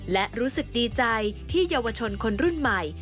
และรู้สึกดีใจที่เยาวชนคนรุ่นใหม่